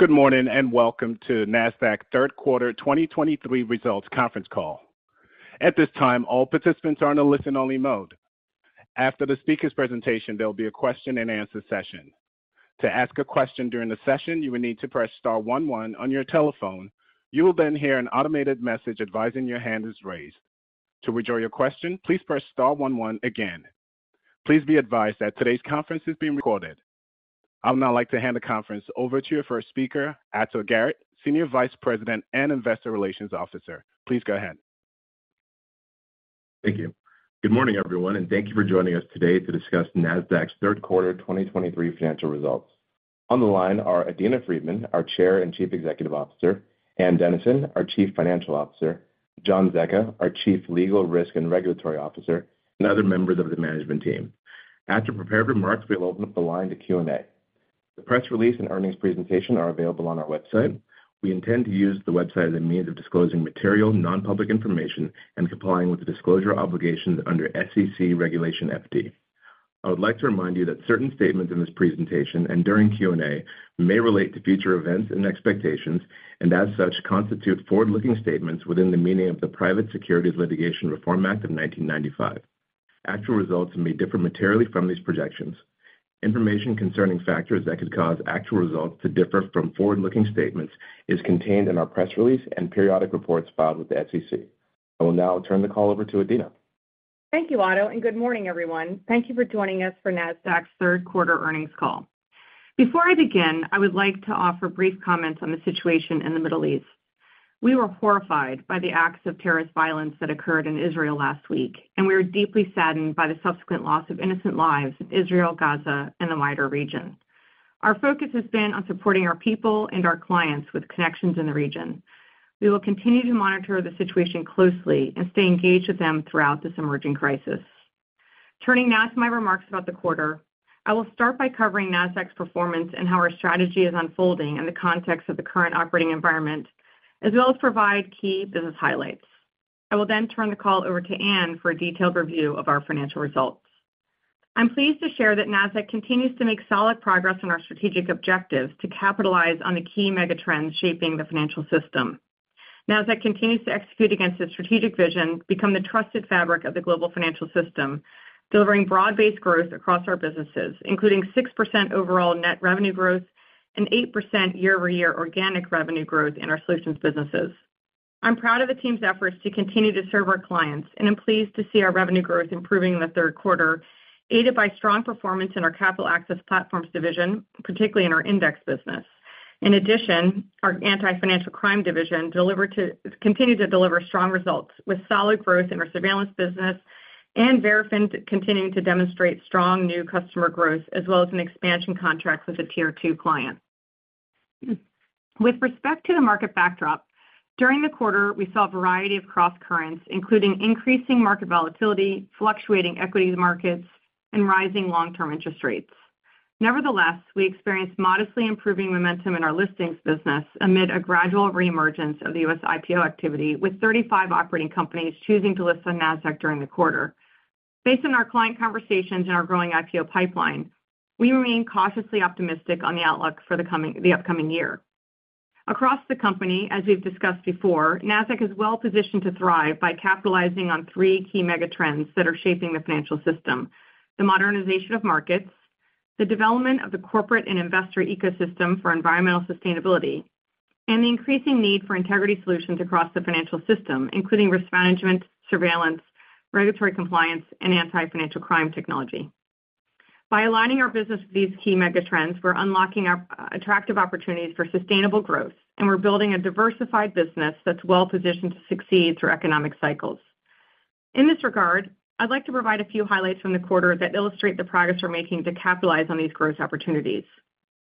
Good morning, and welcome to Nasdaq's third quarter 2023 results conference call. At this time, all participants are in a listen-only mode. After the speaker's presentation, there will be a question-and-answer session. To ask a question during the session, you will need to press star one one on your telephone. You will then hear an automated message advising your hand is raised. To withdraw your question, please press star one one again. Please be advised that today's conference is being recorded. I would now like to hand the conference over to your first speaker, Ato Garrett, Senior Vice President and Investor Relations Officer. Please go ahead. Thank you. Good morning, everyone, and thank you for joining us today to discuss Nasdaq's third quarter 2023 financial results. On the line are Adena Friedman, our Chair and Chief Executive Officer, Ann Dennison, our Chief Financial Officer, John Zecca, our Chief Legal, Risk, and Regulatory Officer, and other members of the management team. After prepared remarks, we'll open up the line to Q&A. The press release and earnings presentation are available on our website. We intend to use the website as a means of disclosing material, non-public information and complying with the disclosure obligations under SEC Regulation FD. I would like to remind you that certain statements in this presentation and during Q&A may relate to future events and expectations, and as such, constitute forward-looking statements within the meaning of the Private Securities Litigation Reform Act of 1995. Actual results may differ materially from these projections. Information concerning factors that could cause actual results to differ from forward-looking statements is contained in our press release and periodic reports filed with the SEC. I will now turn the call over to Adena. Thank you, Ato, and good morning, everyone. Thank you for joining us for Nasdaq's third quarter earnings call. Before I begin, I would like to offer brief comments on the situation in the Middle East. We were horrified by the acts of terrorist violence that occurred in Israel last week, and we are deeply saddened by the subsequent loss of innocent lives in Israel, Gaza, and the wider region. Our focus has been on supporting our people and our clients with connections in the region. We will continue to monitor the situation closely and stay engaged with them throughout this emerging crisis. Turning now to my remarks about the quarter, I will start by covering Nasdaq's performance and how our strategy is unfolding in the context of the current operating environment, as well as provide key business highlights. I will then turn the call over to Ann for a detailed review of our financial results. I'm pleased to share that Nasdaq continues to make solid progress on our strategic objectives to capitalize on the key megatrends shaping the financial system. Nasdaq continues to execute against its strategic vision, become the trusted fabric of the global financial system, delivering broad-based growth across our businesses, including 6% overall net revenue growth and 8% year-over-year organic revenue growth in our solutions businesses. I'm proud of the team's efforts to continue to serve our clients, and I'm pleased to see our revenue growth improving in the third quarter, aided by strong performance in our Capital Access Platforms division, particularly in our index business. In addition, our Anti-Financial Crime division continued to deliver strong results with solid growth in our surveillance business, and Verafin continuing to demonstrate strong new customer growth, as well as an expansion contract with a Tier Two client. With respect to the market backdrop, during the quarter, we saw a variety of crosscurrents, including increasing market volatility, fluctuating equities markets, and rising long-term interest rates. Nevertheless, we experienced modestly improving momentum in our listings business amid a gradual reemergence of the U.S. IPO activity, with 35 operating companies choosing to list on Nasdaq during the quarter. Based on our client conversations and our growing IPO pipeline, we remain cautiously optimistic on the outlook for the upcoming year. Across the company, as we've discussed before, Nasdaq is well positioned to thrive by capitalizing on three key megatrends that are shaping the financial system: the modernization of markets, the development of the corporate and investor ecosystem for environmental sustainability, and the increasing need for integrity solutions across the financial system, including risk management, surveillance, regulatory compliance, and anti-financial crime technology. By aligning our business with these key megatrends, we're unlocking our attractive opportunities for sustainable growth, and we're building a diversified business that's well-positioned to succeed through economic cycles. In this regard, I'd like to provide a few highlights from the quarter that illustrate the progress we're making to capitalize on these growth opportunities.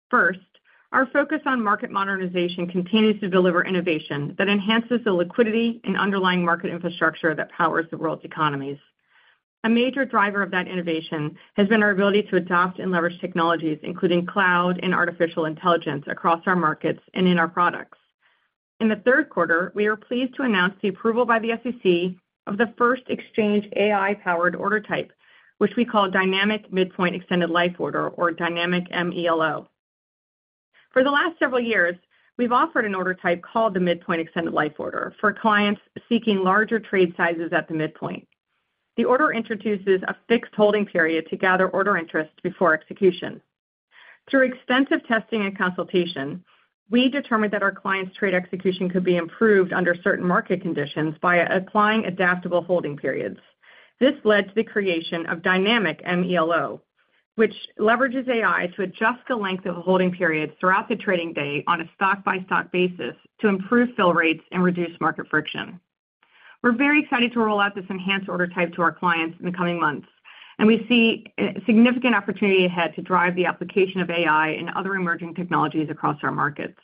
First, our focus on market modernization continues to deliver innovation that enhances the liquidity and underlying market infrastructure that powers the world's economies. A major driver of that innovation has been our ability to adopt and leverage technologies, including cloud and artificial intelligence, across our markets and in our products. In the third quarter, we are pleased to announce the approval by the SEC of the first exchange AI-powered order type, which we call Dynamic Midpoint Extended Life Order, or Dynamic M-ELO. For the last several years, we've offered an order type called the Midpoint Extended Life Order for clients seeking larger trade sizes at the midpoint. The order introduces a fixed holding period to gather order interest before execution. Through extensive testing and consultation, we determined that our clients' trade execution could be improved under certain market conditions by applying adaptable holding periods. This led to the creation of Dynamic M-ELO, which leverages AI to adjust the length of the holding periods throughout the trading day on a stock-by-stock basis to improve fill rates and reduce market friction. We're very excited to roll out this enhanced order type to our clients in the coming months, and we see significant opportunity ahead to drive the application of AI and other emerging technologies across our markets.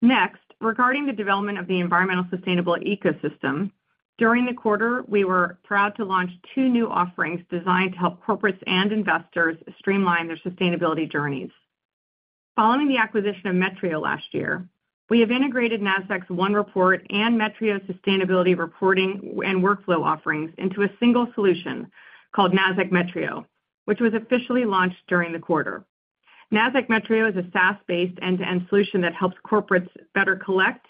Next, regarding the development of the environmentally sustainable ecosystem, during the quarter, we were proud to launch two new offerings designed to help corporates and investors streamline their sustainability journeys. Following the acquisition of Metrio last year, we have integrated Nasdaq's One Report and Metrio's sustainability reporting and workflow offerings into a single solution called Nasdaq Metrio, which was officially launched during the quarter. Nasdaq Metrio is a SaaS-based end-to-end solution that helps corporates better collect,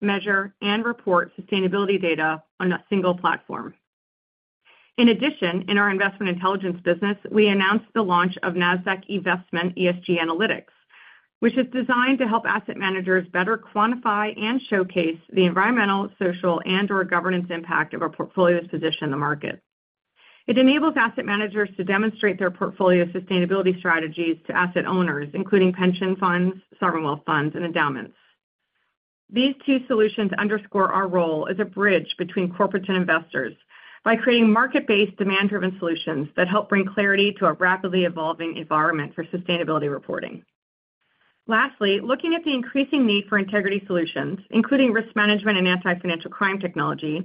measure, and report sustainability data on a single platform. In addition, in our investment intelligence business, we announced the launch of Nasdaq eVestment ESG Analytics, which is designed to help asset managers better quantify and showcase the environmental, social, and/or governance impact of a portfolio's position in the market. It enables asset managers to demonstrate their portfolio sustainability strategies to asset owners, including pension funds, sovereign wealth funds, and endowments. These two solutions underscore our role as a bridge between corporates and investors by creating market-based, demand-driven solutions that help bring clarity to a rapidly evolving environment for sustainability reporting. Lastly, looking at the increasing need for integrity solutions, including risk management and anti-financial crime technology,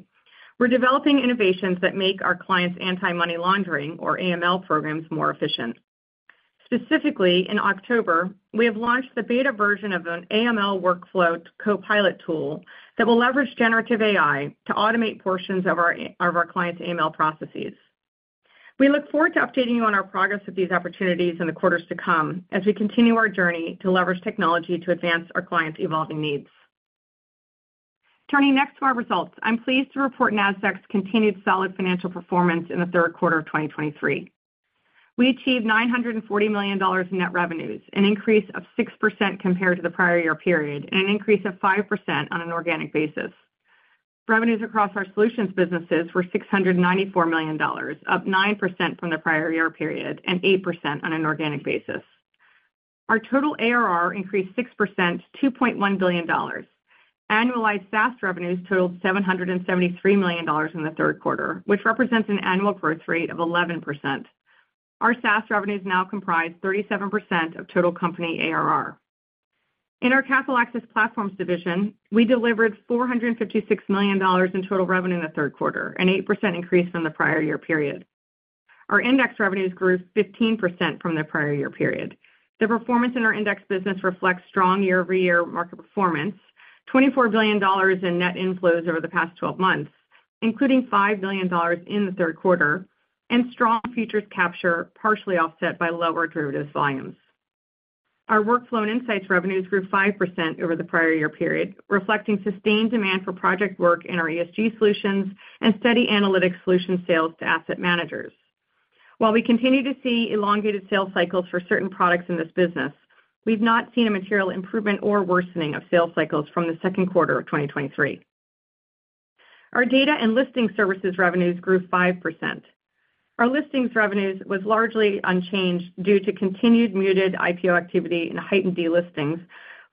we're developing innovations that make our clients' anti-money laundering, or AML, programs more efficient. Specifically, in October, we have launched the beta version of an AML workflow co-pilot tool that will leverage generative AI to automate portions of our clients' AML processes. We look forward to updating you on our progress with these opportunities in the quarters to come, as we continue our journey to leverage technology to advance our clients' evolving needs. Turning next to our results, I'm pleased to report Nasdaq's continued solid financial performance in the third quarter of 2023. We achieved $940,000,000 in net revenues, an increase of 6% compared to the prior year period, and an increase of 5% on an organic basis. Revenues across our solutions businesses were $694,000,000, up 9% from the prior year period, and 8% on an organic basis. Our total ARR increased 6% to $2,100,000,000. Annualized SaaS revenues totaled $773,000,000 in the third quarter, which represents an annual growth rate of 11%. Our SaaS revenues now comprise 37% of total company ARR. In our Capital Access Platforms division, we delivered $456,000,000 in total revenue in the third quarter, an 8% increase from the prior year period. Our index revenues grew 15% from the prior year period. The performance in our index business reflects strong year-over-year market performance, $24,000,000,000 in net inflows over the past twelve months, including $5,000,000,000in the third quarter, and strong futures capture, partially offset by lower derivatives volumes. Our workflow and insights revenues grew 5% over the prior year period, reflecting sustained demand for project work in our ESG solutions and steady analytics solution sales to asset managers. While we continue to see elongated sales cycles for certain products in this business, we've not seen a material improvement or worsening of sales cycles from the second quarter of 2023. Our data and listing services revenues grew 5%. Our listings revenues was largely unchanged due to continued muted IPO activity and heightened delistings,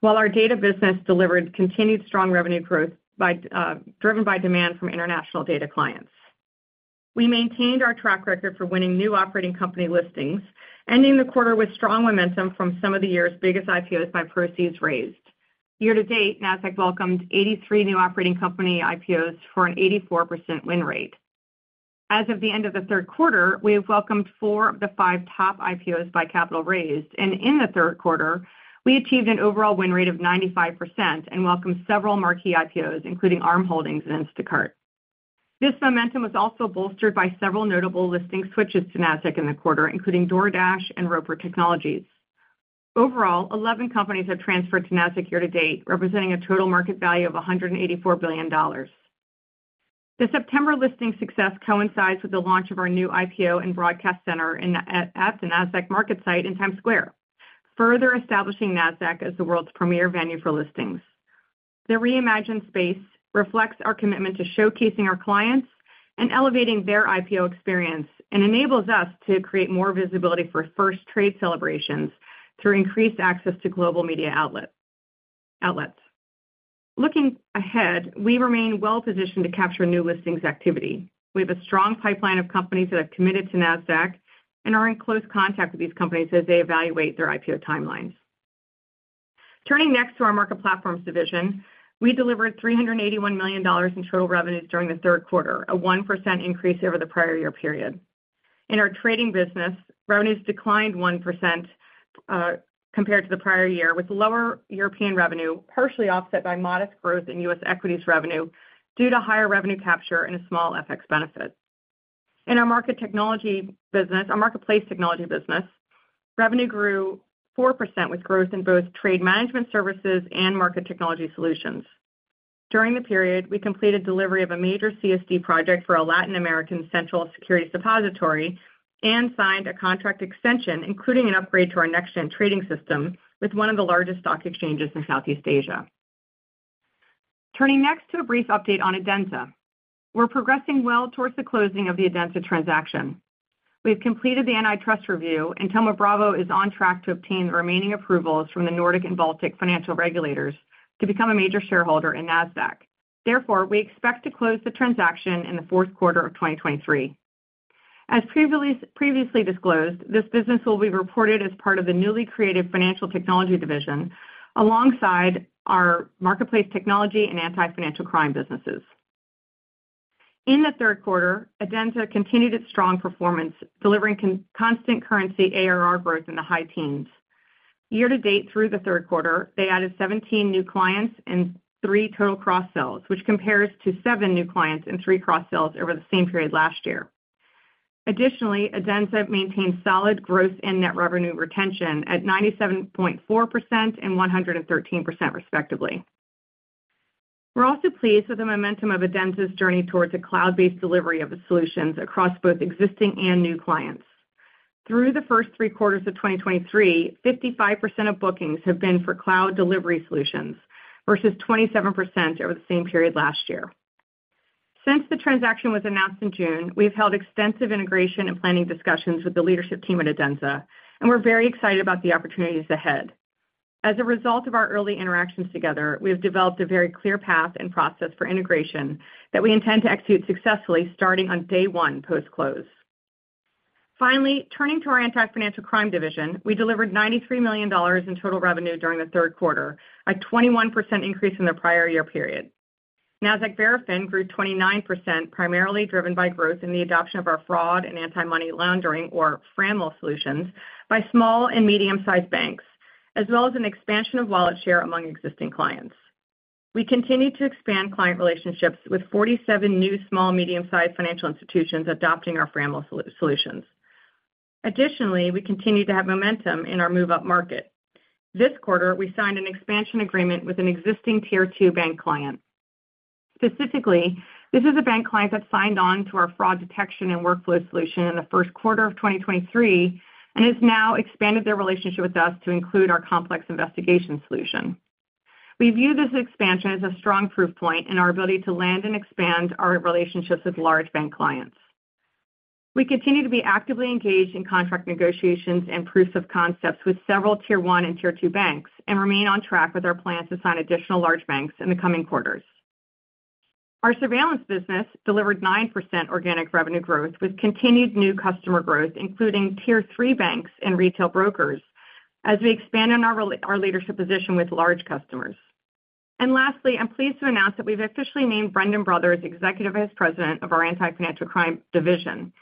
while our data business delivered continued strong revenue growth by, driven by demand from international data clients. We maintained our track record for winning new operating company listings, ending the quarter with strong momentum from some of the year's biggest IPOs by proceeds raised. Year to date, Nasdaq welcomed 83 new operating company IPOs for an 84% win rate. As of the end of the third quarter, we have welcomed 4 of the 5 top IPOs by capital raised, and in the third quarter, we achieved an overall win rate of 95% and welcomed several marquee IPOs, including Arm Holdings and Instacart. This momentum was also bolstered by several notable listing switches to Nasdaq in the quarter, including DoorDash and Roper Technologies. Overall, 11 companies have transferred to Nasdaq year to date, representing a total market value of $184,000,000,000. The September listing success coincides with the launch of our new IPO and broadcast center at the Nasdaq MarketSite in Times Square, further establishing Nasdaq as the world's premier venue for listings. The reimagined space reflects our commitment to showcasing our clients and elevating their IPO experience, and enables us to create more visibility for first trade celebrations through increased access to global media outlets. Looking ahead, we remain well positioned to capture new listings activity. We have a strong pipeline of companies that have committed to Nasdaq and are in close contact with these companies as they evaluate their IPO timelines. Turning next to our Market Platforms division, we delivered $381,000,000 in total revenues during the third quarter, a 1% increase over the prior year period. In our trading business, revenues declined 1%, compared to the prior year, with lower European revenue, partially offset by modest growth in U.S. equities revenue, due to higher revenue capture and a small FX benefit. In our market technology business, our marketplace technology business, revenue grew 4%, with growth in both trade management services and market technology solutions. During the period, we completed delivery of a major CSD project for a Latin American Central Securities Depository and signed a contract extension, including an upgrade to our next gen trading system, with one of the largest stock exchanges in Southeast Asia. Turning next to a brief update on Adenza. We're progressing well towards the closing of the Adenza transaction. We have completed the antitrust review, and Thoma Bravo is on track to obtain the remaining approvals from the Nordic and Baltic financial regulators to become a major shareholder in Nasdaq. Therefore, we expect to close the transaction in the fourth quarter of 2023. As previously disclosed, this business will be reported as part of the newly created Financial Technology division, alongside our marketplace technology and anti-financial crime businesses. In the third quarter, Adenza continued its strong performance, delivering constant currency ARR growth in the high teens. Year-to-date through the third quarter, they added 17 new clients and 3 total cross-sells, which compares to 7 new clients and 3 cross-sells over the same period last year. Additionally, Adenza maintained solid growth in net revenue retention at 97.4% and 113%, respectively. We're also pleased with the momentum of Adenza's journey towards a cloud-based delivery of its solutions across both existing and new clients. Through the first three quarters of 2023, 55% of bookings have been for cloud delivery solutions, versus 27% over the same period last year. Since the transaction was announced in June, we've held extensive integration and planning discussions with the leadership team at Adenza, and we're very excited about the opportunities ahead. As a result of our early interactions together, we have developed a very clear path and process for integration that we intend to execute successfully, starting on day one post-close. Finally, turning to our Anti-Financial Crime division, we delivered $93,000,000 in total revenue during the third quarter, a 21% increase in the prior year period. Nasdaq Verafin grew 29%, primarily driven by growth in the adoption of our fraud and Anti-Money Laundering, or FRAML solutions, by small and medium-sized banks, as well as an expansion of wallet share among existing clients. We continued to expand client relationships with 47 new small, medium-sized financial institutions adopting our FRAML solutions. Additionally, we continued to have momentum in our move-up market. This quarter, we signed an expansion agreement with an existing Tier Two bank client. Specifically, this is a bank client that signed on to our fraud detection and workflow solution in the first quarter of 2023, and has now expanded their relationship with us to include our complex investigation solution. We view this expansion as a strong proof point in our ability to land and expand our relationships with large bank clients. We continue to be actively engaged in contract negotiations and proofs of concepts with several Tier One and Tier Two banks, and remain on track with our plans to sign additional large banks in the coming quarters. Our surveillance business delivered 9% organic revenue growth, with continued new customer growth, including Tier Three banks and retail brokers, as we expand on our leadership position with large customers. And lastly, I'm pleased to announce that we've officially named Brendan Brothers Executive Vice President of our Anti-Financial Crime division.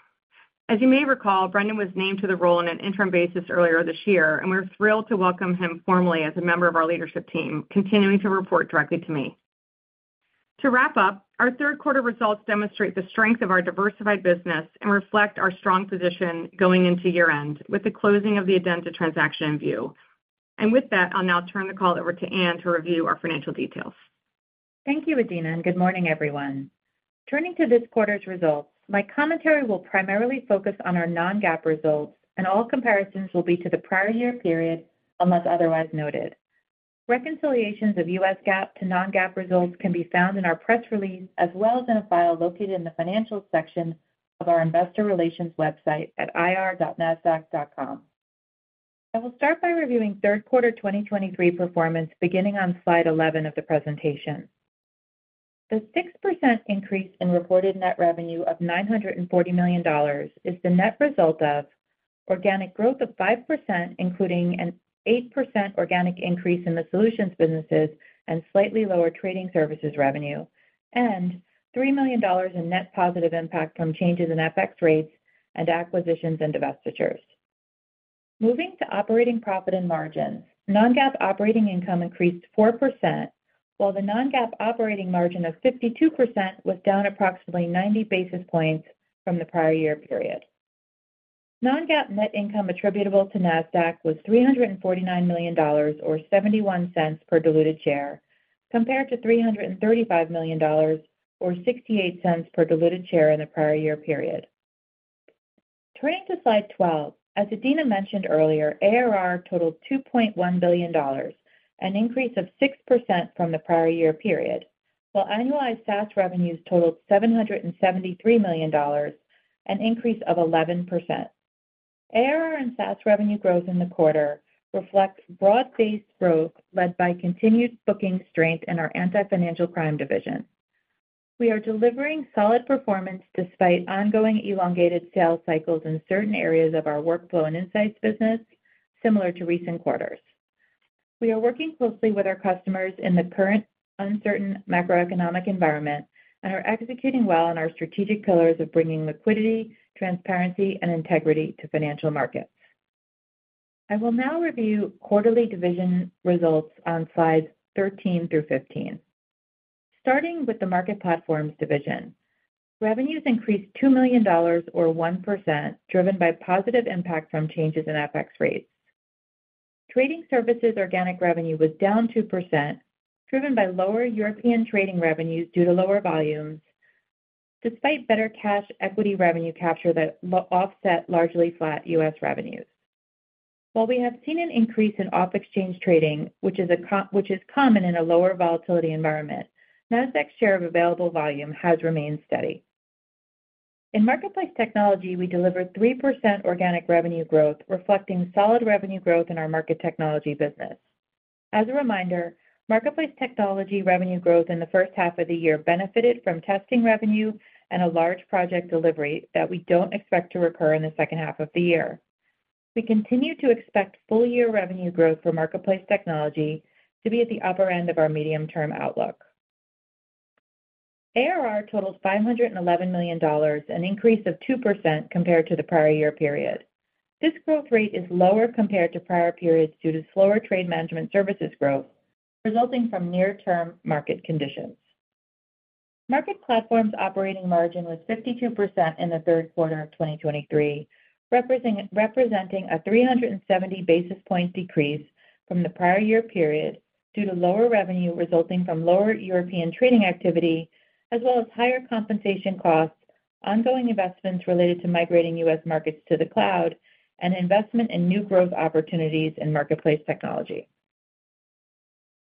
As you may recall, Brendan was named to the role on an interim basis earlier this year, and we're thrilled to welcome him formally as a member of our leadership team, continuing to report directly to me. To wrap up, our third quarter results demonstrate the strength of our diversified business and reflect our strong position going into year-end, with the closing of the Adenza transaction in view. And with that, I'll now turn the call over to Ann to review our financial details. Thank you, Adena, and good morning, everyone. Turning to this quarter's results, my commentary will primarily focus on our non-GAAP results, and all comparisons will be to the prior year period, unless otherwise noted. Reconciliations of U.S. GAAP to non-GAAP results can be found in our press release, as well as in a file located in the Financial section of our Investor Relations website at ir.nasdaq.com. I will start by reviewing third quarter 2023 performance, beginning on slide 11 of the presentation. The 6% increase in reported net revenue of $940,000,000 is the net result of organic growth of 5%, including an 8% organic increase in the solutions businesses and slightly lower trading services revenue, and $3,000,000 in net positive impact from changes in FX rates and acquisitions and divestitures. Moving to operating profit and margin, non-GAAP operating income increased 4%, while the non-GAAP operating margin of 52% was down approximately 90 basis points from the prior year period. Non-GAAP net income attributable to Nasdaq was $349,000,000, or $0.71 per diluted share, compared to $335,000,000, or $0.68 per diluted share in the prior year period. Turning to slide 12, as Adena mentioned earlier, ARR totaled $2,100,000,000, an increase of 6% from the prior year period, while annualized SaaS revenues totaled $773,000,000, an increase of 11%. ARR and SaaS revenue growth in the quarter reflects broad-based growth led by continued booking strength in our Anti-Financial Crime division. We are delivering solid performance despite ongoing elongated sales cycles in certain areas of our workflow and insights business, similar to recent quarters. We are working closely with our customers in the current uncertain macroeconomic environment and are executing well on our strategic pillars of bringing liquidity, transparency, and integrity to financial markets. I will now review quarterly division results on slides 13 through 15. Starting with the Market Platforms division, revenues increased $2,000,000, or 1%, driven by positive impact from changes in FX rates. Trading services organic revenue was down 2%, driven by lower European trading revenues due to lower volumes, despite better cash equity revenue capture that largely offset flat U.S. revenues. While we have seen an increase in off-exchange trading, which is common in a lower volatility environment, Nasdaq's share of available volume has remained steady. In Marketplace Technology, we delivered 3% organic revenue growth, reflecting solid revenue growth in our market technology business. As a reminder, Marketplace Technology revenue growth in the first half of the year benefited from testing revenue and a large project delivery that we don't expect to recur in the second half of the year. We continue to expect full-year revenue growth for Marketplace Technology to be at the upper end of our medium-term outlook. ARR totaled $511,000,000, an increase of 2% compared to the prior year period. This growth rate is lower compared to prior periods due to slower trade management services growth, resulting from near-term market conditions. Market Platforms' operating margin was 52% in the third quarter of 2023, representing a 370 basis point decrease from the prior year period due to lower revenue resulting from lower European trading activity, as well as higher compensation costs, ongoing investments related to migrating U.S. markets to the cloud, and investment in new growth opportunities in marketplace technology.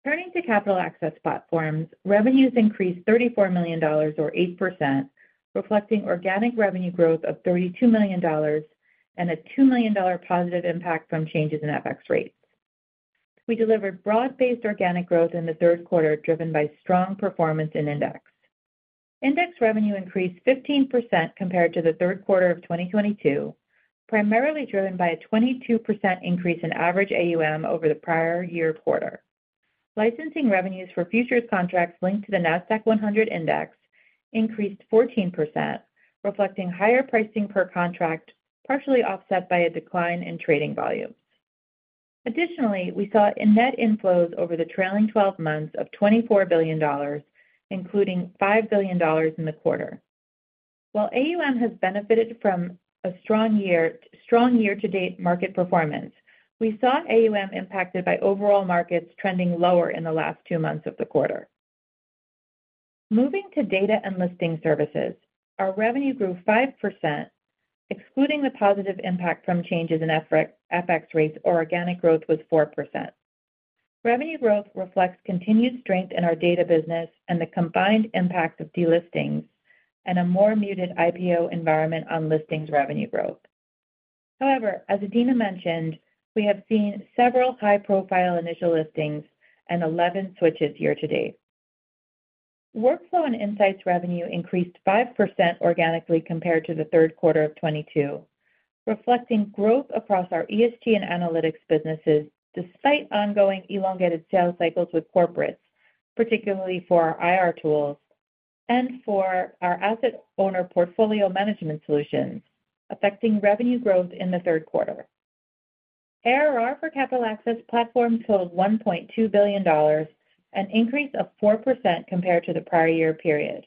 Turning to Capital Access Platforms, revenues increased $34,000,000 or 8%, reflecting organic revenue growth of $32,000,000 and a $2,000,000 positive impact from changes in FX rates. We delivered broad-based organic growth in the third quarter, driven by strong performance in Index. Index revenue increased 15% compared to the third quarter of 2022, primarily driven by a 22% increase in average AUM over the prior year quarter. Licensing revenues for futures contracts linked to the Nasdaq 100 Index increased 14%, reflecting higher pricing per contract, partially offset by a decline in trading volume. Additionally, we saw net inflows over the trailing twelve months of $24,000,000,000, including $5,000,000,000 in the quarter. While AUM has benefited from a strong year-to-date market performance, we saw AUM impacted by overall markets trending lower in the last two months of the quarter. Moving to Data and Listing Services, our revenue grew 5%, excluding the positive impact from changes in FX rates, or organic growth was 4%. Revenue growth reflects continued strength in our data business and the combined impact of delistings and a more muted IPO environment on listings revenue growth. However, as Adena mentioned, we have seen several high-profile initial listings and 11 switches year-to-date. Workflow and Insights revenue increased 5% organically compared to the third quarter of 2022, reflecting growth across our ESG and analytics businesses, despite ongoing elongated sales cycles with corporates, particularly for our IR tools and for our asset owner portfolio management solutions, affecting revenue growth in the third quarter. ARR for Capital Access Platforms totaled $1,200,000,000, an increase of 4% compared to the prior year period.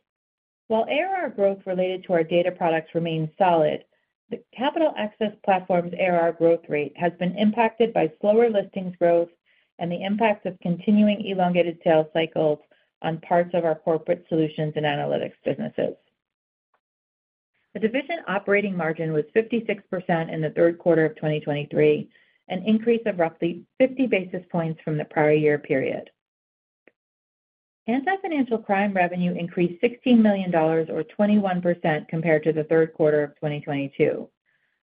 While ARR growth related to our data products remains solid, the Capital Access Platforms' ARR growth rate has been impacted by slower listings growth and the impacts of continuing elongated sales cycles on parts of our corporate solutions and analytics businesses. The division operating margin was 56% in the third quarter of 2023, an increase of roughly 50 basis points from the prior year period. Anti-Financial Crime revenue increased $16,000,000 or 21% compared to the third quarter of 2022.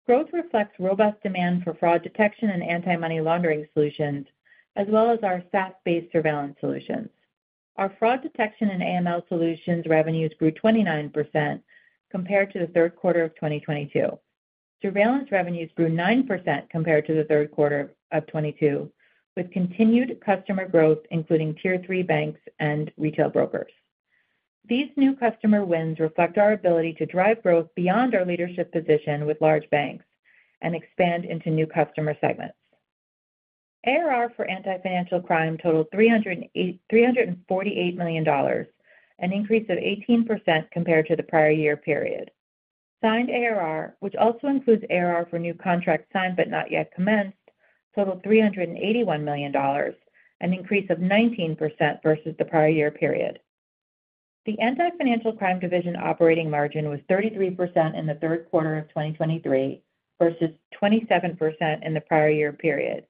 Growth reflects robust demand for fraud detection and anti-money laundering solutions, as well as our SaaS-based surveillance solutions. Our fraud detection and AML solutions revenues grew 29% compared to the third quarter of 2022. Surveillance revenues grew 9% compared to the third quarter of 2022, with continued customer growth, including Tier 3 banks and retail brokers. These new customer wins reflect our ability to drive growth beyond our leadership position with large banks and expand into new customer segments. ARR for Anti-Financial Crime totaled $348,000,000, an increase of 18% compared to the prior year period. Signed ARR, which also includes ARR for new contracts signed but not yet commenced, totaled $381,000,000, an increase of 19% versus the prior year period. The Anti-Financial Crime division operating margin was 33% in the third quarter of 2023, versus 27% in the prior year period,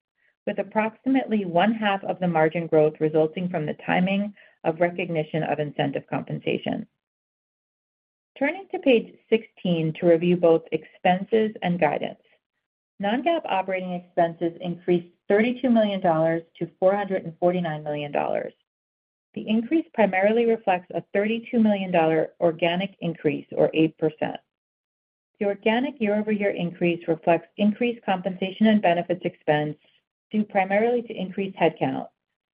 with approximately one half of the margin growth resulting from the timing of recognition of incentive compensation. Turning to page 16 to review both expenses and guidance. Non-GAAP operating expenses increased $32,000,000-$449,000,000. The increase primarily reflects a $32,000,000 organic increase, or 8%. The organic year-over-year increase reflects increased compensation and benefits expense, due primarily to increased headcount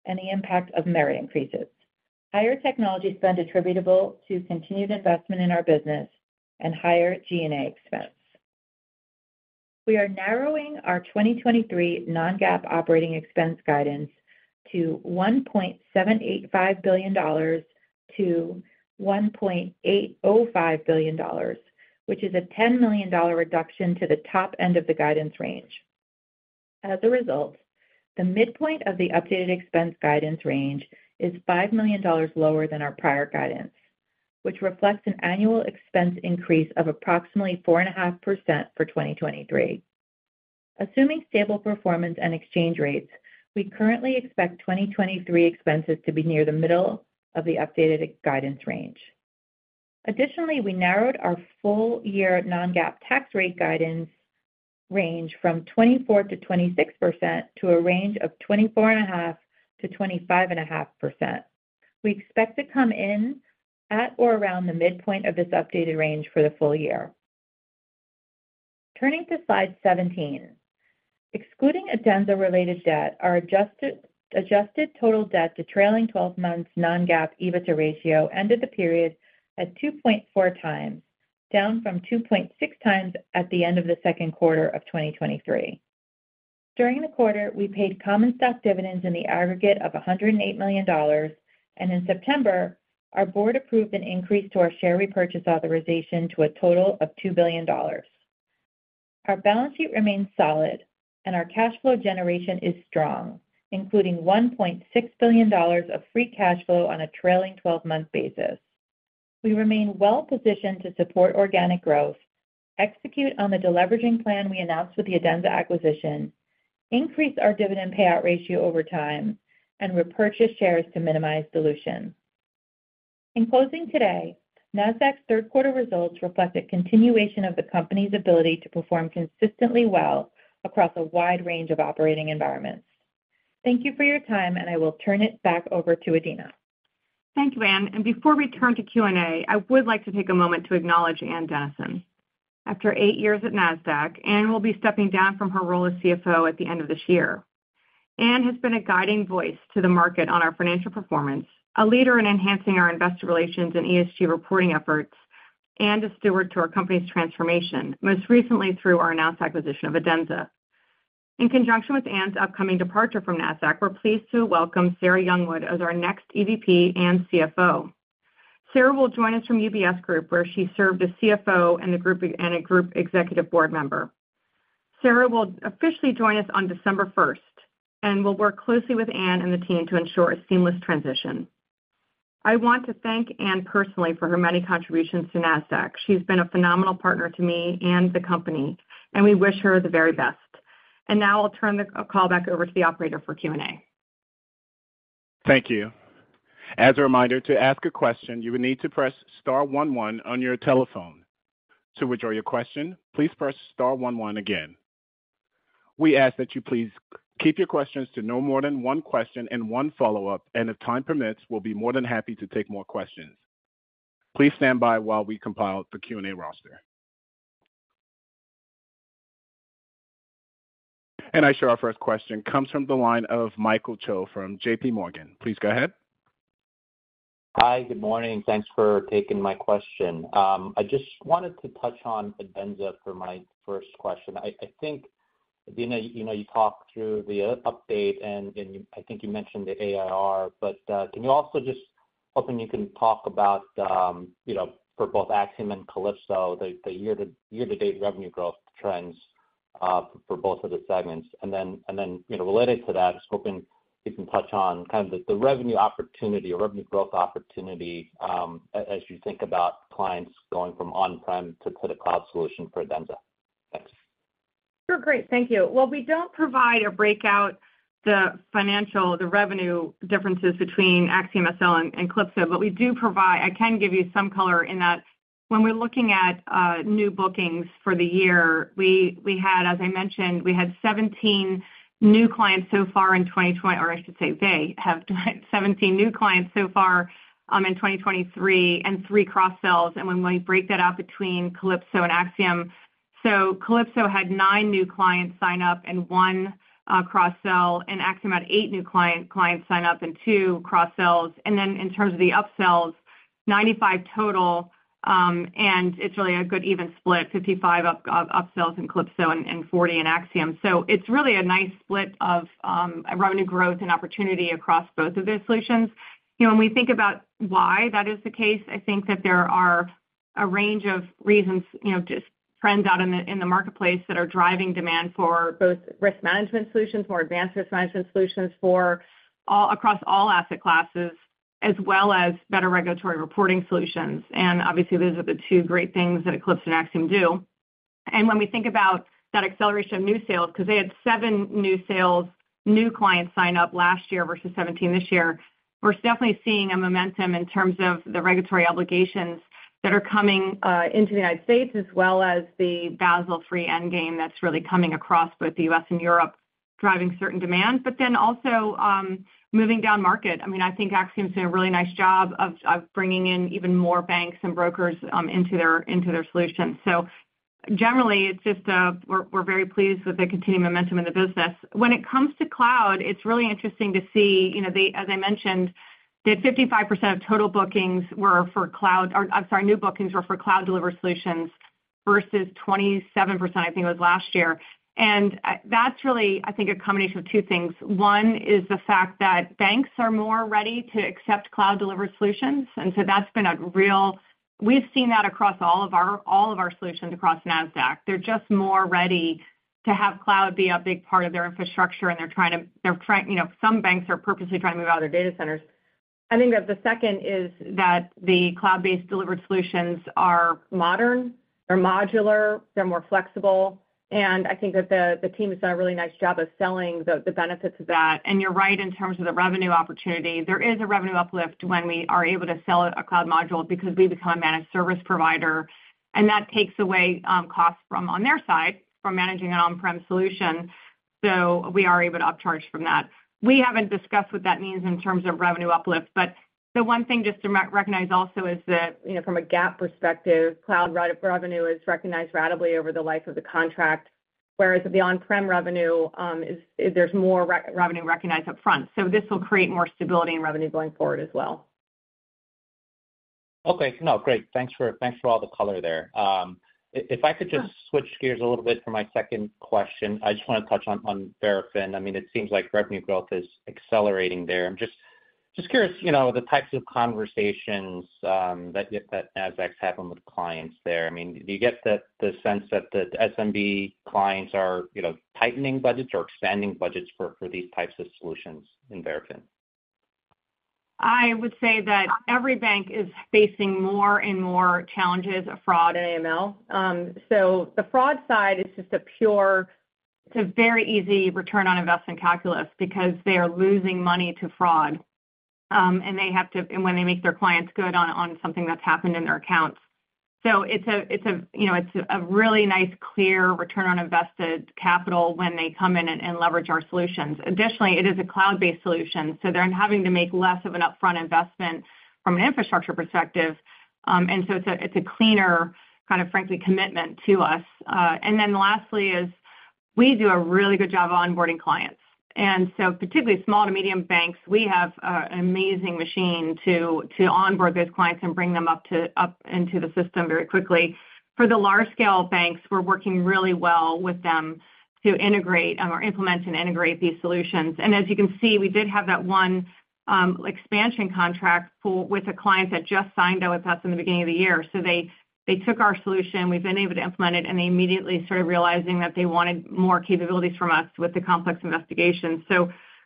and the impact of merit increases, higher technology spend attributable to continued investment in our business, and higher G&A expense. We are narrowing our 2023 non-GAAP operating expense guidance to $1,785,000,000-$1,805,000,000, which is a $10,000,000 reduction to the top end of the guidance range. As a result, the midpoint of the updated expense guidance range is $5,000,000 lower than our prior guidance, which reflects an annual expense increase of approximately 4.5% for 2023. Assuming stable performance and exchange rates, we currently expect 2023 expenses to be near the middle of the updated guidance range. Additionally, we narrowed our full-year non-GAAP tax rate guidance range from 24%-26% to a range of 24.5%-25.5%. We expect to come in at or around the midpoint of this updated range for the full year. Turning to Slide 17. Excluding Adenza related debt, our adjusted total debt to trailing 12 months non-GAAP EBITDA ratio ended the period at 2.4 times, down from 2.6 times at the end of the second quarter of 2023. During the quarter, we paid common stock dividends in the aggregate of $108,000,000, and in September, our board approved an increase to our share repurchase authorization to a total of $2,000,000,000. Our balance sheet remains solid, and our cash flow generation is strong, including $1,600,000,000 of free cash flow on a trailing 12-month basis. We remain well positioned to support organic growth, execute on the deleveraging plan we announced with the Adenza acquisition, increase our dividend payout ratio over time, and repurchase shares to minimize dilution. In closing today, Nasdaq's third quarter results reflect a continuation of the company's ability to perform consistently well across a wide range of operating environments. Thank you for your time, and I will turn it back over to Adena. Thank you, Ann. Before we turn to Q&A, I would like to take a moment to acknowledge Ann Dennison. After eight years at Nasdaq, Ann will be stepping down from her role as CFO at the end of this year. Ann has been a guiding voice to the market on our financial performance, a leader in enhancing our investor relations and ESG reporting efforts, and a steward to our company's transformation, most recently through our announced acquisition of Adenza. In conjunction with Ann's upcoming departure from Nasdaq, we're pleased to welcome Sarah Youngwood as our next EVP and CFO. Sarah will join us from UBS Group, where she served as CFO and a group executive board member. Sarah will officially join us on December first and will work closely with Ann and the team to ensure a seamless transition. I want to thank Ann personally for her many contributions to Nasdaq. She's been a phenomenal partner to me and the company, and we wish her the very best. Now I'll turn the call back over to the operator for Q&A. Thank you. As a reminder, to ask a question, you will need to press star one one on your telephone. To withdraw your question, please press star one one again. We ask that you please keep your questions to no more than one question and one follow-up, and if time permits, we'll be more than happy to take more questions. Please stand by while we compile the Q&A roster. And I show our first question comes from the line of Michael Cho from JPMorgan. Please go ahead. Hi, good morning, and thanks for taking my question. I just wanted to touch on Adenza for my first question. I think, Adena, you know, you talked through the update, and I think you mentioned the ARR, but can you also just... Hoping you can talk about, you know, for both Axiom and Calypso, the year-to-date revenue growth trends for both of the segments? And then, you know, related to that, just hoping you can touch on kind of the revenue opportunity or revenue growth opportunity as you think about clients going from on-prem to a cloud solution for Adenza. Thanks. Sure. Great. Thank you. Well, we don't provide or break out the financial, the revenue differences between AxiomSL and Calypso, but we do provide. I can give you some color in that when we're looking at new bookings for the year. As I mentioned, we had 17 new clients so far in 2020, or I should say, they have 17 new clients so far in 2023, and 3 cross-sells. And when we break that out between Calypso and AxiomSL, so Calypso had 9 new clients sign up and 1 cross-sell, and AxiomSL had 8 new clients sign up and 2 cross-sells. And then in terms of the up-sells, 95 total, and it's really a good even split, 55 up-sells in Calypso and 40 in AxiomSL. So it's really a nice split of revenue growth and opportunity across both of their solutions. You know, when we think about why that is the case, I think that there are a range of reasons, you know, just trends out in the marketplace that are driving demand for both risk management solutions, more advanced risk management solutions for all, across all asset classes, as well as better regulatory reporting solutions. And obviously, those are the two great things that Calypso and Axiom do. And when we think about that acceleration of new sales, because they had 7 new sales, new clients sign up last year versus 17 this year, we're definitely seeing a momentum in terms of the regulatory obligations that are coming into the United States, as well as the Basel III endgame that's really coming across both the U.S. and Europe, driving certain demands, but then also moving down market. I mean, I think Axiom's done a really nice job of bringing in even more banks and brokers into their solutions. So generally, it's just we're very pleased with the continued momentum in the business. When it comes to cloud, it's really interesting to see, you know, the... As I mentioned, 55% of total bookings were for cloud, or I'm sorry, new bookings were for cloud-delivered solutions versus 27%, I think it was last year. And that's really, I think, a combination of two things. One is the fact that banks are more ready to accept cloud-delivered solutions, and so that's been a real. We've seen that across all of our, all of our solutions across Nasdaq. They're just more ready to have cloud be a big part of their infrastructure, and they're trying to. They're trying, you know, some banks are purposely trying to move out of their data centers. I think that the second is that the cloud-based delivered solutions are modern, they're modular, they're more flexible, and I think that the, the team has done a really nice job of selling the, the benefits of that. You're right in terms of the revenue opportunity. There is a revenue uplift when we are able to sell a cloud module because we become a managed service provider, and that takes away costs from on their side, from managing an on-prem solution, so we are able to upcharge from that. We haven't discussed what that means in terms of revenue uplift. The one thing just to recognize also is that, you know, from a GAAP perspective, cloud revenue is recognized ratably over the life of the contract, whereas the on-prem revenue is, there's more revenue recognized upfront. So this will create more stability in revenue going forward as well. Okay. No, great. Thanks for, thanks for all the color there. If I could just switch gears a little bit for my second question, I just want to touch on Verafin. I mean, it seems like revenue growth is accelerating there. I'm just curious, you know, the types of conversations that Nasdaq's having with clients there. I mean, do you get the sense that the SMB clients are, you know, tightening budgets or expanding budgets for these types of solutions in Verafin? I would say that every bank is facing more and more challenges of fraud and AML. So the fraud side is just a pure, it's a very easy return on investment calculus because they are losing money to fraud, and they have to. And when they make their clients good on something that's happened in their accounts. So it's a, you know, it's a really nice, clear return on invested capital when they come in and leverage our solutions. Additionally, it is a cloud-based solution, so they're having to make less of an upfront investment from an infrastructure perspective. And so it's a cleaner, kind of, frankly, commitment to us. And then lastly is, we do a really good job of onboarding clients. Particularly small to medium banks, we have an amazing machine to onboard those clients and bring them up into the system very quickly. For the large-scale banks, we're working really well with them to integrate or implement and integrate these solutions. As you can see, we did have that one expansion contract pool with a client that just signed with us in the beginning of the year. They took our solution, we've been able to implement it, and they immediately started realizing that they wanted more capabilities from us with the complex investigation.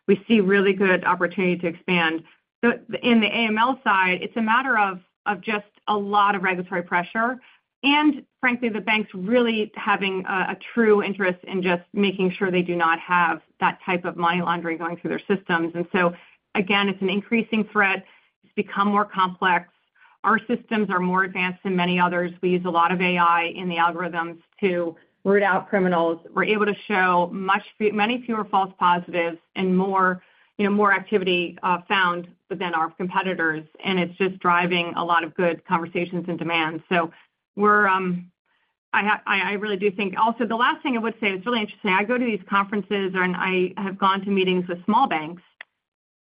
We see really good opportunity to expand. So in the AML side, it's a matter of just a lot of regulatory pressure, and frankly, the banks really having a true interest in just making sure they do not have that type of money laundering going through their systems. And so again, it's an increasing threat. It's become more complex. Our systems are more advanced than many others. We use a lot of AI in the algorithms to root out criminals. We're able to show many fewer false positives and more, you know, more activity found than our competitors, and it's just driving a lot of good conversations and demand. So we're... I, I really do think—Also, the last thing I would say, it's really interesting. I go to these conferences, and I have gone to meetings with small banks,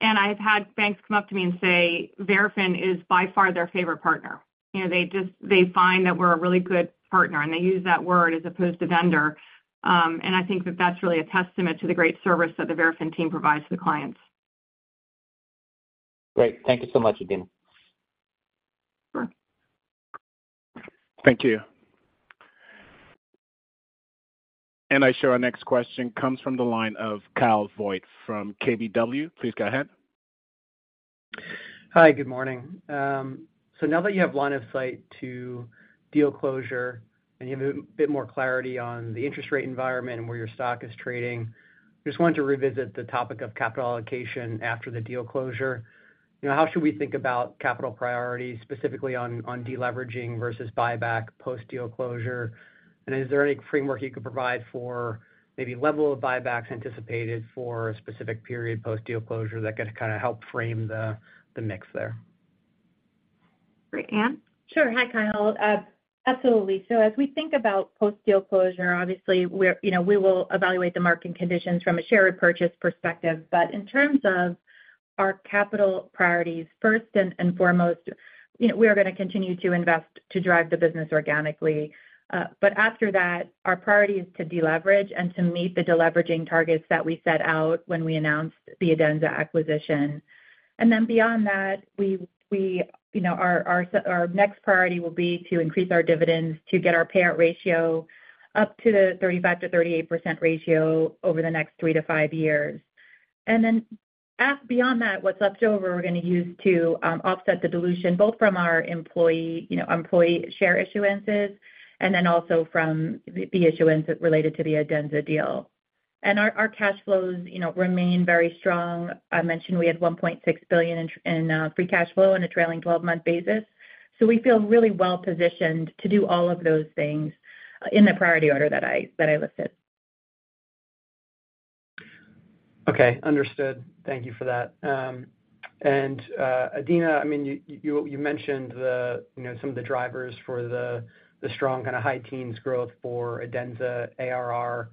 and I've had banks come up to me and say, Verafin is by far their favorite partner. You know, they just- they find that we're a really good partner, and they use that word as opposed to vendor. And I think that that's really a testament to the great service that the Verafin team provides to the clients. Great. Thank you so much, Adena. Sure. Thank you. Our next question comes from the line of Kyle Voigt from KBW. Please go ahead. Hi, good morning. So now that you have line of sight to deal closure, and you have a bit more clarity on the interest rate environment and where your stock is trading, just wanted to revisit the topic of capital allocation after the deal closure. You know, how should we think about capital priorities, specifically on deleveraging versus buyback post-deal closure? And is there any framework you could provide for maybe level of buybacks anticipated for a specific period post-deal closure that could kind of help frame the mix there? Great. Anne? Sure. Hi, Kyle. Absolutely. So as we think about post-deal closure, obviously, we're, you know, we will evaluate the market conditions from a share repurchase perspective. But in terms of our capital priorities, first and, and foremost, you know, we are going to continue to invest to drive the business organically. But after that, our priority is to deleverage and to meet the deleveraging targets that we set out when we announced the Adenza acquisition. And then beyond that, we, we, you know, our, our next priority will be to increase our dividends to get our payout ratio up to the 35%-38% ratio over the next 3-5 years. And then beyond that, what's left over, we're going to use to offset the dilution, both from our employee, you know, employee share issuances and then also from the issuance related to the Adenza deal. And our cash flows, you know, remain very strong. I mentioned we had $1,600,000,000 in free cash flow on a trailing twelve-month basis. So we feel really well positioned to do all of those things in the priority order that I listed. Okay, understood. Thank you for that. And, Adena, I mean, you mentioned the, you know, some of the drivers for the, the strong kind of high teens growth for Adenza ARR.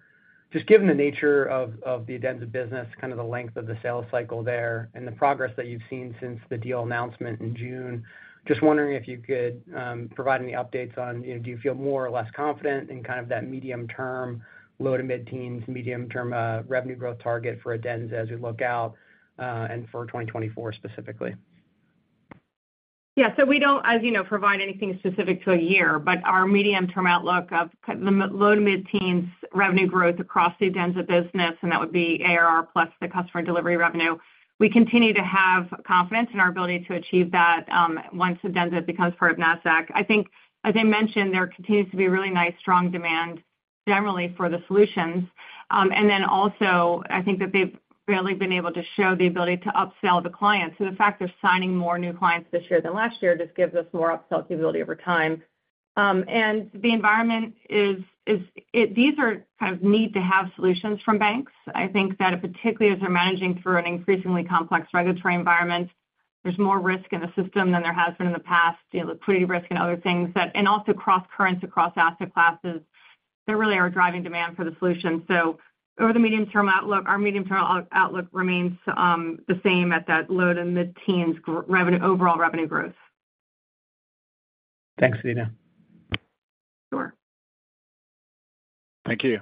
Just given the nature of the Adenza business, kind of the length of the sales cycle there and the progress that you've seen since the deal announcement in June, just wondering if you could provide any updates on, you know, do you feel more or less confident in kind of that medium term, low to mid-teens, medium-term revenue growth target for Adenza as we look out, and for 2024 specifically? Yeah. So we don't, as you know, provide anything specific to a year, but our medium-term outlook of the low- to mid-teens revenue growth across the Adenza business, and that would be ARR plus the customer delivery revenue, we continue to have confidence in our ability to achieve that, once Adenza becomes part of Nasdaq. I think, as I mentioned, there continues to be really nice, strong demand generally for the solutions. And then also, I think that they've really been able to show the ability to upsell the clients. So the fact they're signing more new clients this year than last year just gives us more upsell capability over time. And the environment is it, these are kind of need-to-have solutions from banks. I think that particularly as we're managing through an increasingly complex regulatory environment, there's more risk in the system than there has been in the past, you know, liquidity risk and other things. That, and also cross currents across asset classes, they really are driving demand for the solution. So over the medium-term outlook, our medium-term outlook remains the same at that low- to mid-teens revenue, overall revenue growth. Thanks, Adena. Sure. Thank you.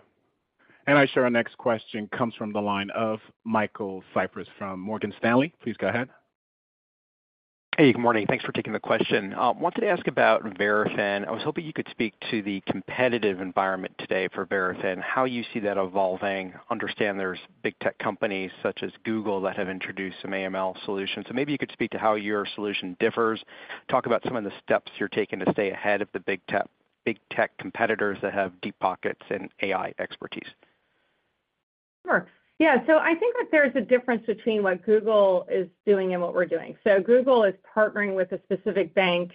And I show our next question comes from the line of Michael J. Cyprys from Morgan Stanley. Please go ahead. Hey, good morning. Thanks for taking the question. Wanted to ask about Verafin. I was hoping you could speak to the competitive environment today for Verafin, how you see that evolving. Understand there's big tech companies such as Google, that have introduced some AML solutions. So maybe you could speak to how your solution differs. Talk about some of the steps you're taking to stay ahead of the big tech, big tech competitors that have deep pockets and AI expertise. Sure. Yeah, so I think that there's a difference between what Google is doing and what we're doing. So Google is partnering with a specific bank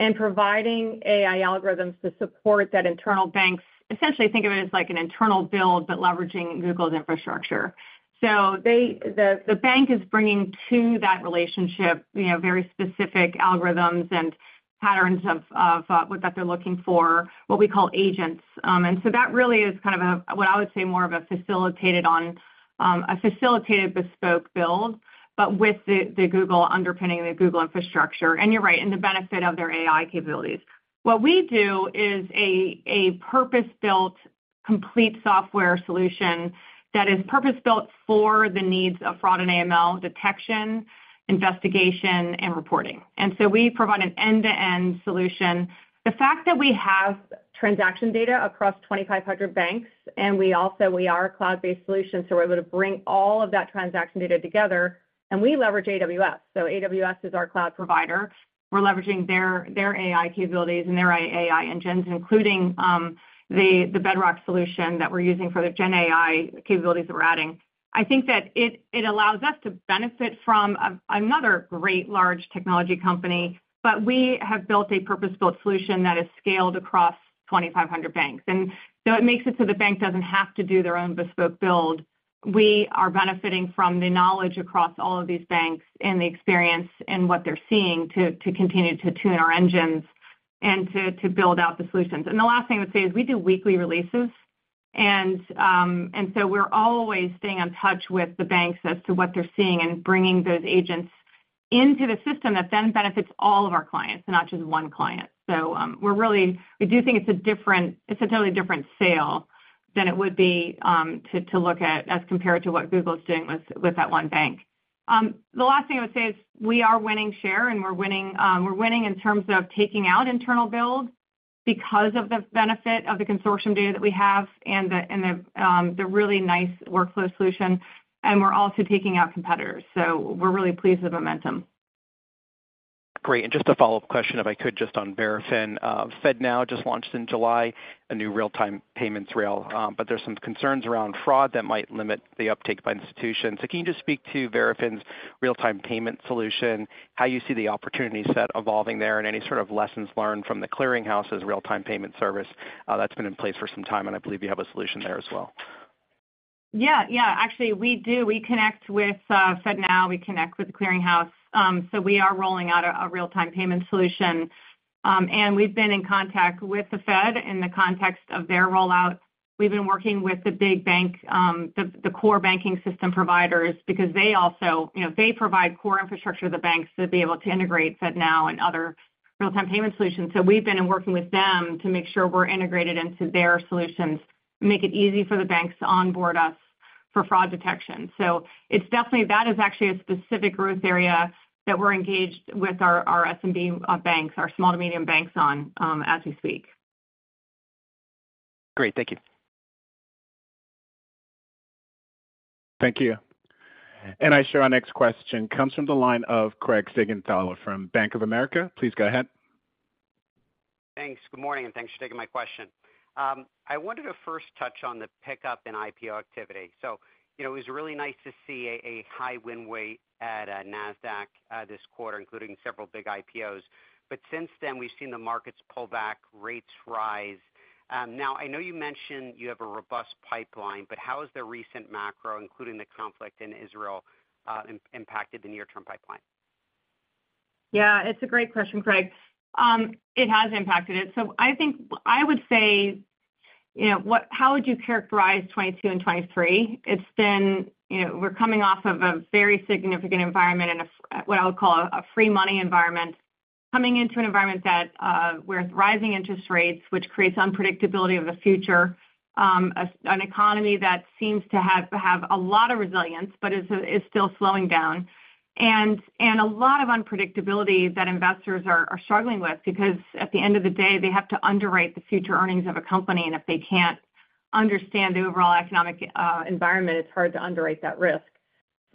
and providing AI algorithms to support that internal bank. Essentially, think of it as like an internal build, but leveraging Google's infrastructure. So the bank is bringing to that relationship, you know, very specific algorithms and patterns of what that they're looking for, what we call agents. And so that really is kind of a, what I would say, more of a facilitated on, a facilitated bespoke build, but with the Google underpinning, the Google infrastructure, and you're right, and the benefit of their AI capabilities. What we do is a purpose-built, complete software solution that is purpose-built for the needs of fraud and AML detection, investigation, and reporting. And so we provide an end-to-end solution. The fact that we have transaction data across 2,500 banks, and we also, we are a cloud-based solution, so we're able to bring all of that transaction data together, and we leverage AWS. So AWS is our cloud provider. We're leveraging their AI capabilities and their AI engines, including the Bedrock solution that we're using for the GenAI capabilities that we're adding. I think that it allows us to benefit from another great large technology company, but we have built a purpose-built solution that is scaled across 2,500 banks. And so it makes it so the bank doesn't have to do their own bespoke build. We are benefiting from the knowledge across all of these banks and the experience and what they're seeing to continue to tune our engines and to build out the solutions. And the last thing I would say is we do weekly releases, and so we're always staying in touch with the banks as to what they're seeing and bringing those agents into the system that then benefits all of our clients, not just one client. So, we're really. We do think it's a different, it's a totally different sale than it would be to look at as compared to what Google is doing with that one bank. The last thing I would say is we are winning share, and we're winning, we're winning in terms of taking out internal builds because of the benefit of the consortium data that we have and the really nice workflow solution, and we're also taking out competitors. So we're really pleased with the momentum. Great. And just a follow-up question, if I could, just on Verafin. FedNow just launched in July, a new real-time payments rail, but there's some concerns around fraud that might limit the uptake by institutions. So can you just speak to Verafin's real-time payment solution, how you see the opportunity set evolving there, and any sort of lessons learned from the Clearing House's real-time payment service? That's been in place for some time, and I believe you have a solution there as well. Yeah, yeah. Actually, we do. We connect with FedNow, we connect with the Clearing House. So we are rolling out a real-time payment solution. And we've been in contact with the Fed in the context of their rollout. We've been working with the big bank, the core banking system providers, because they also, you know, they provide core infrastructure to the banks to be able to integrate FedNow and other real-time payment solutions. So we've been working with them to make sure we're integrated into their solutions, make it easy for the banks to onboard us for fraud detection. So it's definitely, that is actually a specific growth area that we're engaged with our SMB banks, our small to medium banks on, as we speak. Great. Thank you. Thank you. I show our next question comes from the line of Craig Siegenthaler from Bank of America. Please go ahead. Thanks. Good morning, and thanks for taking my question. I wanted to first touch on the pickup in IPO activity. So you know, it was really nice to see a high win rate at Nasdaq this quarter, including several big IPOs. But since then, we've seen the markets pull back, rates rise. Now, I know you mentioned you have a robust pipeline, but how has the recent macro, including the conflict in Israel, impacted the near-term pipeline? Yeah, it's a great question, Craig. It has impacted it. So I think I would say, you know, how would you characterize 2022 and 2023? It's been... You know, we're coming off of a very significant environment and what I would call a free money environment. Coming into an environment that, with rising interest rates, which creates unpredictability of the future, an economy that seems to have a lot of resilience, but is still slowing down. And a lot of unpredictability that investors are struggling with, because at the end of the day, they have to underwrite the future earnings of a company, and if they can't understand the overall economic environment, it's hard to underwrite that risk.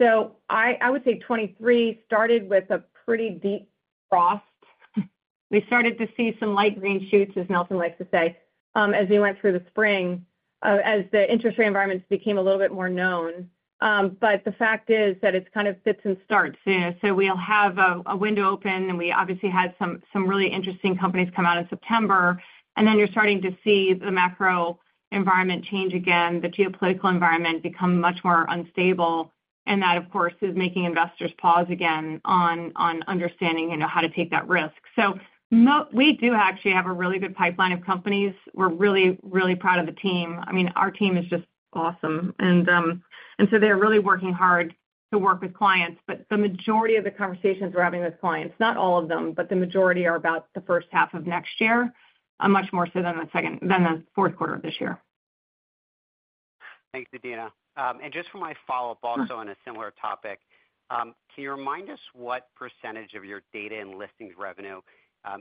So I would say 2023 started with a pretty deep frost. We started to see some light green shoots, as Nelson likes to say, as we went through the spring, as the interest rate environments became a little bit more known. But the fact is that it's kind of fits and starts. So we'll have a window open, and we obviously had some really interesting companies come out in September, and then you're starting to see the macro environment change again, the geopolitical environment become much more unstable, and that, of course, is making investors pause again on understanding, you know, how to take that risk. So we do actually have a really good pipeline of companies. We're really, really proud of the team. I mean, our team is just awesome. And so they're really working hard to work with clients. The majority of the conversations we're having with clients, not all of them, but the majority are about the first half of next year, much more so than the fourth quarter of this year. Thanks, Adena. And just for my follow-up also on a similar topic, can you remind us what percentage of your data and listings revenue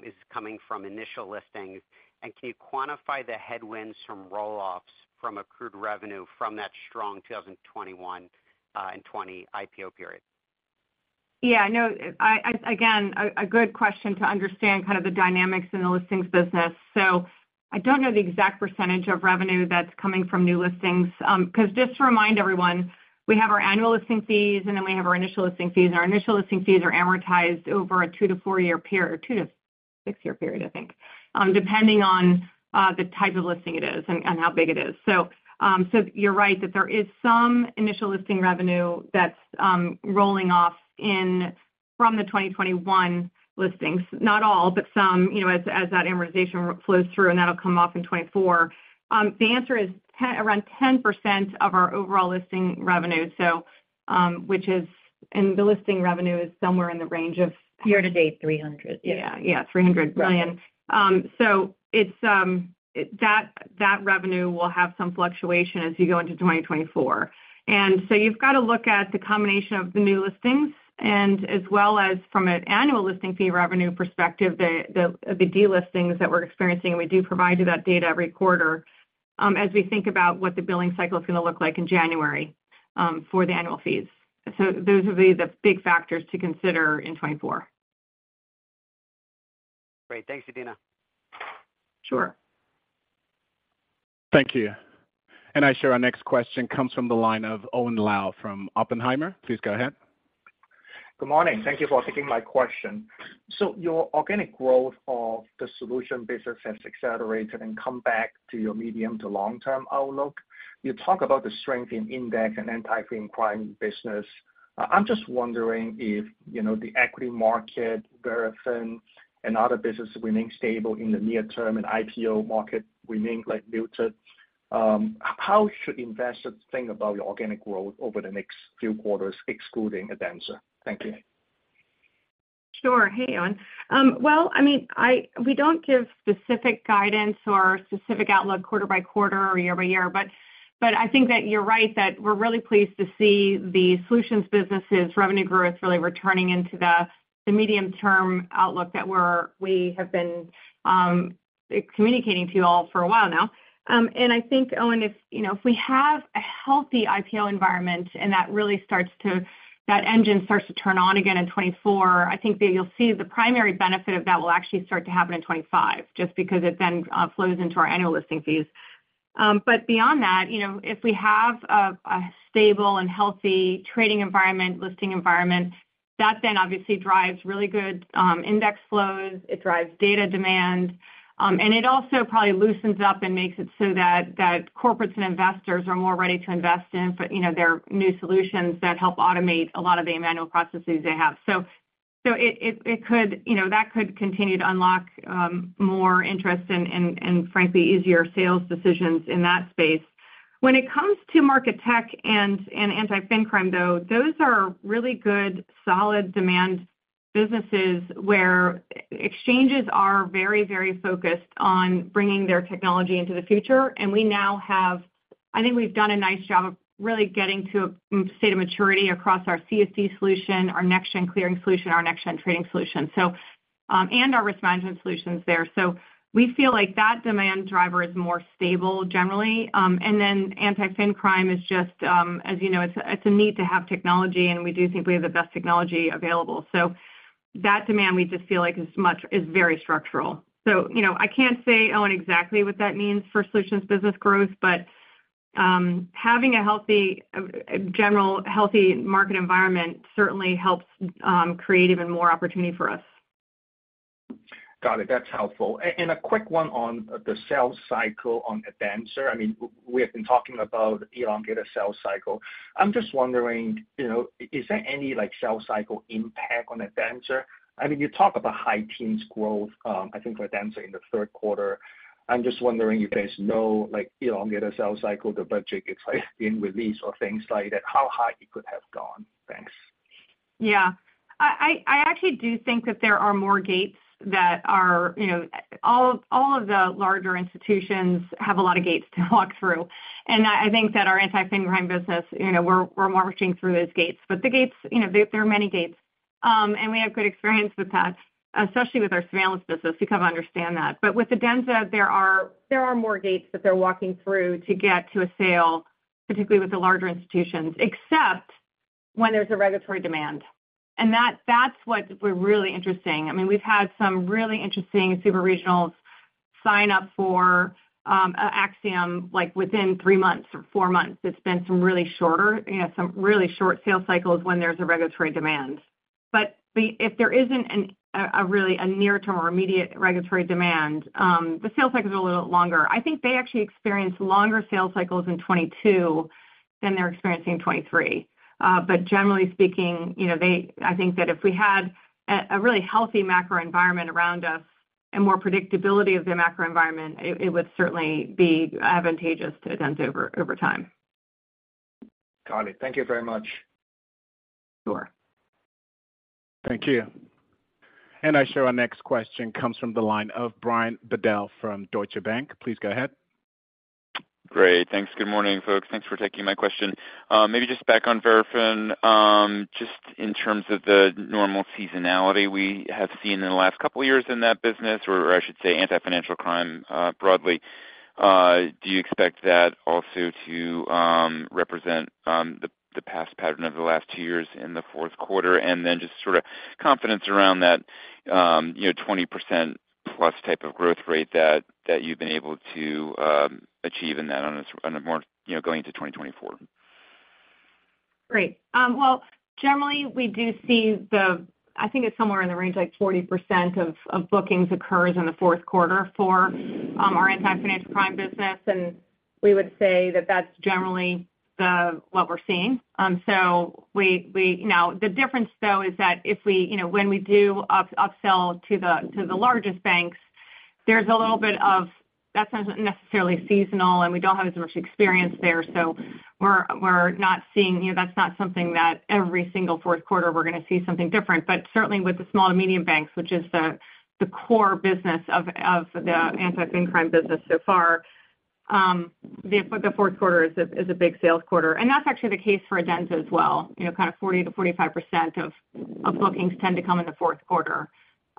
is coming from initial listings? And can you quantify the headwinds from roll-offs from accrued revenue from that strong 2021 and 2020 IPO period? Yeah, I know, again, a good question to understand kind of the dynamics in the listings business. So I don't know the exact percentage of revenue that's coming from new listings, 'cause just to remind everyone, we have our annual listing fees, and then we have our initial listing fees. And our initial listing fees are amortized over a 2-4-year period, or 2-6-year period, I think, depending on the type of listing it is and how big it is. So you're right, that there is some initial listing revenue that's rolling off from the 2021 listings. Not all, but some, you know, as that amortization flows through, and that'll come off in 2024. The answer is around 10% of our overall listing revenue, which is... The listing revenue is somewhere in the range of- Year-to-date, 300. Yeah. Yeah, $300,000,000. So it's that revenue will have some fluctuation as you go into 2024. And so you've got to look at the combination of the new listings, and as well as from an annual listing fee revenue perspective, the delistings that we're experiencing, and we do provide you that data every quarter, as we think about what the billing cycle is gonna look like in January, for the annual fees. So those would be the big factors to consider in 2024. Great. Thanks, Adena. Sure. Thank you. Our next question comes from the line of Owen Lau from Oppenheimer. Please go ahead. Good morning. Thank you for taking my question. So your organic growth of the solution business has accelerated and come back to your medium to long-term outlook. You talk about the strength in index and anti-financial crime business. I'm just wondering if, you know, the equity market, Verafin, and other businesses remain stable in the near term and IPO market remain, like, muted, how should investors think about your organic growth over the next few quarters, excluding Adenza? Thank you. Sure. Hey, Owen. Well, I mean, we don't give specific guidance or specific outlook quarter by quarter or year by year, but, but I think that you're right, that we're really pleased to see the solutions businesses' revenue growth really returning into the medium-term outlook that we have been communicating to you all for a while now. And I think, Owen, if, you know, if we have a healthy IPO environment, and that really starts to—that engine starts to turn on again in 2024, I think that you'll see the primary benefit of that will actually start to happen in 2025, just because it then flows into our annual listing fees. But beyond that, you know, if we have a stable and healthy trading environment, listing environment, that then obviously drives really good index flows, it drives data demand, and it also probably loosens up and makes it so that corporates and investors are more ready to invest in, for you know, their new solutions that help automate a lot of the manual processes they have. So it could, you know, that could continue to unlock more interest and frankly, easier sales decisions in that space. When it comes to market tech and anti-financial crime, though, those are really good, solid demand businesses, where exchanges are very, very focused on bringing their technology into the future, and we now have, I think we've done a nice job of really getting to a state of maturity across our CSD solution, our NextGen clearing solution, our NextGen trading solution, so, and our risk management solutions there. So we feel like that demand driver is more stable generally. And then anti-financial crime is just, as you know, it's a need to have technology, and we do think we have the best technology available. So that demand, we just feel like is much, is very structural. So, you know, I can't say, Owen, exactly what that means for solutions business growth, but having a healthy, general healthy market environment certainly helps create even more opportunity for us. Got it. That's helpful. And a quick one on the sales cycle on Adenza. I mean, we have been talking about the elongated sales cycle. I'm just wondering, you know, is there any, like, sales cycle impact on Adenza? I mean, you talk about high-teens growth, I think for Adenza in the third quarter. I'm just wondering if there's no, like, elongated sales cycle, the budget is, like, being released or things like that, how high it could have gone? Thanks. Yeah. I actually do think that there are more gates that are, you know... All of the larger institutions have a lot of gates to walk through. And I think that our anti-financial crime business, you know, we're marching through those gates. But the gates, you know, there are many gates. And we have good experience with that, especially with our surveillance business. We come to understand that. But with Adenza, there are more gates that they're walking through to get to a sale, particularly with the larger institutions, except when there's a regulatory demand, and that's what we're really interested in. I mean, we've had some really interesting super regionals sign up for Axiom, like, within 3 months or 4 months. It's been some really shorter, you know, some really short sales cycles when there's a regulatory demand. But if there isn't a really near-term or immediate regulatory demand, the sales cycle is a little bit longer. I think they actually experience longer sales cycles in 2022 than they're experiencing in 2023. But generally speaking, you know, they. I think that if we had a really healthy macro environment around us and more predictability of the macro environment, it would certainly be advantageous to Adenza over time. Got it. Thank you very much. Sure. Thank you. And our next question comes from the line of Brian Bedell from Deutsche Bank. Please go ahead. Great. Thanks. Good morning, folks. Thanks for taking my question. Maybe just back on Verafin, just in terms of the normal seasonality we have seen in the last couple of years in that business, or I should say, Anti-Financial Crime, broadly. Do you expect that also to represent the past pattern of the last two years in the fourth quarter? And then just sort of confidence around that, you know, 20%+ type of growth rate that you've been able to achieve in that on a more, you know, going into 2024. Great. Well, generally, we do see the, I think it's somewhere in the range, like 40% of bookings occurs in the fourth quarter for our anti-financial crime business. And we would say that that's generally the, what we're seeing. So, you know, the difference, though, is that if we, you know, when we do upsell to the largest banks, there's a little bit of that's not necessarily seasonal, and we don't have as much experience there. So we're not seeing, you know, that's not something that every single fourth quarter we're going to see something different. But certainly with the small and medium banks, which is the core business of the anti-fin crime business so far, the fourth quarter is a big sales quarter, and that's actually the case for Adenza as well. You know, kind of 40%-45% of bookings tend to come in the fourth quarter.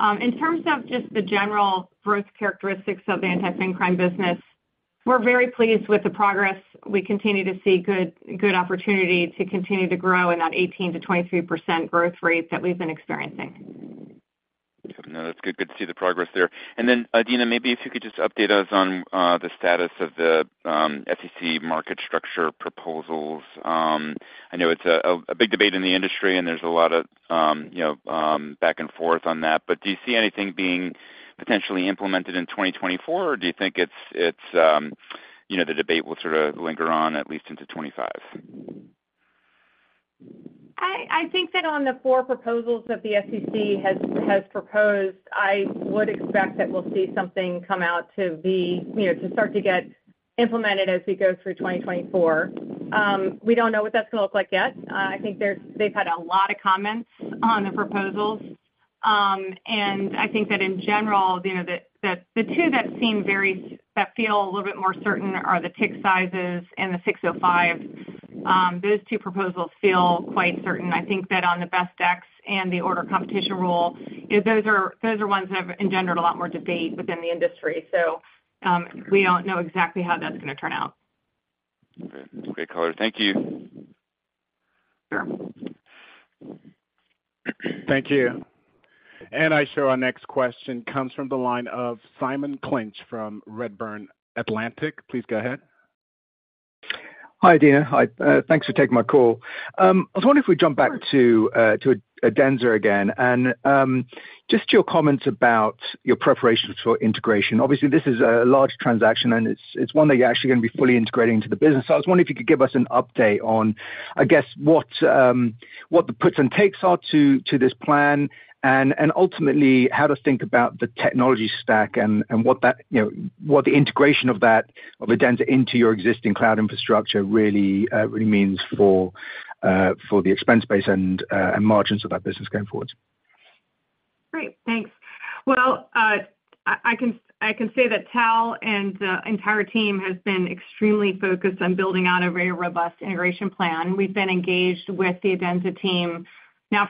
In terms of just the general growth characteristics of the anti-fin crime business, we're very pleased with the progress. We continue to see good opportunity to continue to grow in that 18%-23% growth rates that we've been experiencing. No, that's good. Good to see the progress there. And then, Adena, maybe if you could just update us on the status of the SEC market structure proposals. I know it's a big debate in the industry, and there's a lot of you know back and forth on that. But do you see anything being potentially implemented in 2024, or do you think it's the debate will sort of linger on at least into 2025? I think that on the four proposals that the SEC has proposed, I would expect that we'll see something come out to be, you know, to start to get implemented as we go through 2024. We don't know what that's going to look like yet. I think there's—they've had a lot of comments on the proposals. And I think that in general, you know, that the two that seem very—that feel a little bit more certain are the tick sizes and the 605. Those two proposals feel quite certain. I think that on the Best Ex and the order competition rule, you know, those are ones that have engendered a lot more debate within the industry, so we don't know exactly how that's going to turn out. Okay. Great color. Thank you. Sure. Thank you. Our next question comes from the line of Simon Clinch from Redburn Atlantic. Please go ahead. Hi, Adena. Hi, thanks for taking my call. I was wondering if we jump back to, to Adenza again and, just your comments about your preparations for integration. Obviously, this is a large transaction, and it's, it's one that you're actually going to be fully integrating into the business. So I was wondering if you could give us an update on, I guess, what, what the puts and takes are to, to this plan, and, and ultimately how to think about the technology stack and, and what that, you know, what the integration of that, of Adenza into your existing cloud infrastructure really, really means for, for the expense base and, and margins of that business going forward. Great. Thanks. Well, I can say that Tal and the entire team has been extremely focused on building out a very robust integration plan. We've been engaged with the Adenza team now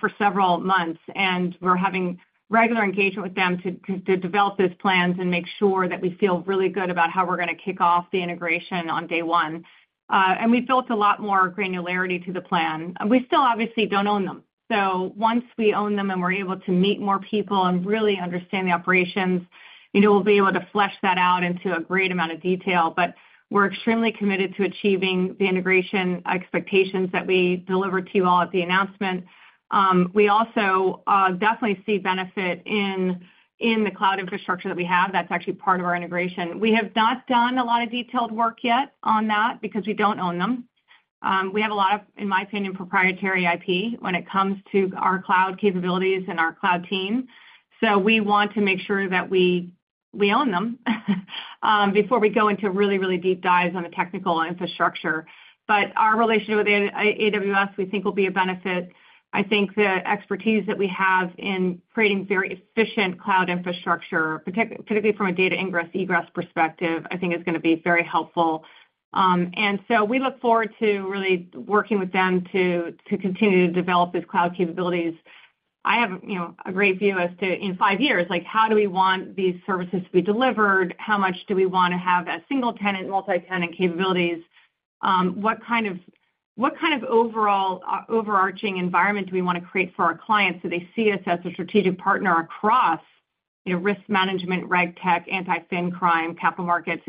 for several months, and we're having regular engagement with them to develop those plans and make sure that we feel really good about how we're going to kick off the integration on day one. And we've built a lot more granularity to the plan. We still obviously don't own them, so once we own them and we're able to meet more people and really understand the operations, you know, we'll be able to flesh that out into a great amount of detail. But we're extremely committed to achieving the integration expectations that we delivered to you all at the announcement. We also definitely see benefit in the cloud infrastructure that we have. That's actually part of our integration. We have not done a lot of detailed work yet on that because we don't own them. We have a lot of, in my opinion, proprietary IP when it comes to our cloud capabilities and our cloud team, so we want to make sure that we own them before we go into really, really deep dives on the technical infrastructure. But our relationship with AWS, we think, will be a benefit. I think the expertise that we have in creating very efficient cloud infrastructure, particularly from a data ingress, egress perspective, I think is going to be very helpful. And so we look forward to really working with them to continue to develop those cloud capabilities.... I have, you know, a great view as to in five years, like, how do we want these services to be delivered? How much do we want to have as single tenant, multi-tenant capabilities? What kind of, what kind of overall overarching environment do we want to create for our clients so they see us as a strategic partner across, you know, risk management, RegTech, anti-fin crime, capital markets?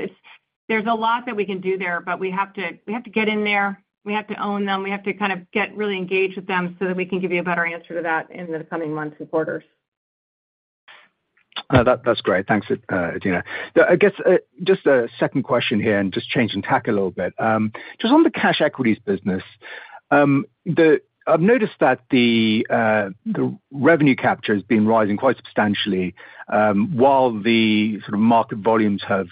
There's a lot that we can do there, but we have to, we have to get in there. We have to own them. We have to kind of get really engaged with them so that we can give you a better answer to that in the coming months and quarters. That's great. Thanks, Adena. I guess just a second question here, and just changing tack a little bit. Just on the cash equities business, I've noticed that the revenue capture has been rising quite substantially, while the sort of market volumes have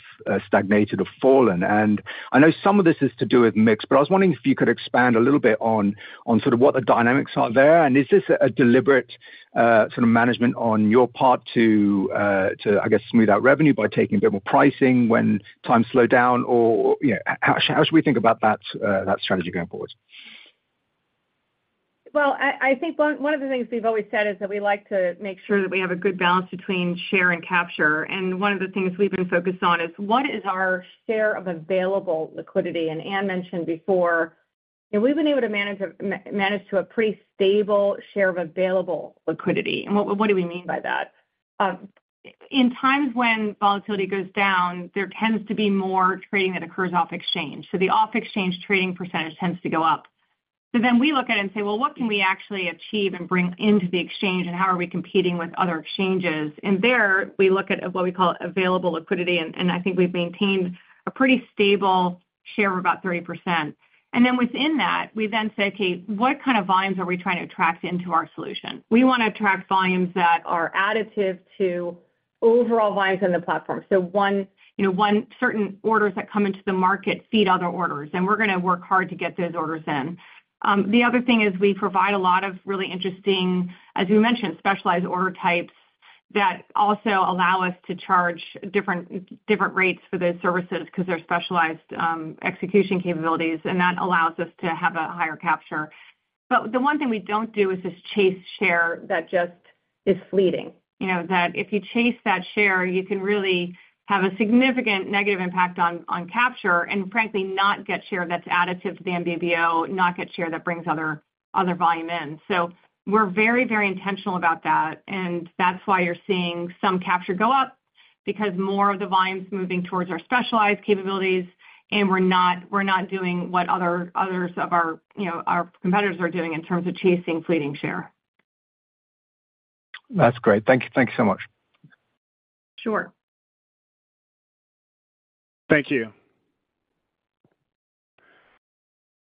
stagnated or fallen. And I know some of this is to do with mix, but I was wondering if you could expand a little bit on sort of what the dynamics are there. And is this a deliberate sort of management on your part to, I guess, smooth out revenue by taking a bit more pricing when times slow down? Or, you know, how should we think about that strategy going forward? Well, I think one of the things we've always said is that we like to make sure that we have a good balance between share and capture. And one of the things we've been focused on is, what is our share of available liquidity? And Ann mentioned before, and we've been able to manage to a pretty stable share of available liquidity. And what do we mean by that? In times when volatility goes down, there tends to be more trading that occurs off exchange. So the off-exchange trading percentage tends to go up. So then we look at it and say, "Well, what can we actually achieve and bring into the exchange, and how are we competing with other exchanges?" And there we look at what we call available liquidity, and I think we've maintained a pretty stable share of about 30%. And then within that, we then say, "Okay, what kind of volumes are we trying to attract into our solution?" We want to attract volumes that are additive to overall volumes in the platform. So, you know, certain orders that come into the market feed other orders, and we're gonna work hard to get those orders in. The other thing is we provide a lot of really interesting, as you mentioned, specialized order types that also allow us to charge different rates for those services because they're specialized execution capabilities, and that allows us to have a higher capture. But the one thing we don't do is just chase share that just is fleeting. You know, that if you chase that share, you can really have a significant negative impact on capture and frankly, not get share that's additive to the NBBO, not get share that brings other volume in. So we're very intentional about that, and that's why you're seeing some capture go up, because more of the volume's moving towards our specialized capabilities, and we're not doing what others of our competitors are doing in terms of chasing fleeting share. That's great. Thank you. Thank you so much. Sure. Thank you.